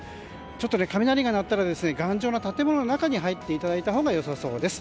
ちょっと雷が鳴ったら頑丈な建物の中に入っていただいたほうが良さそうです。